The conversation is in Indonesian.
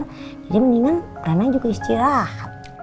jadi mendingan rena juga istirahat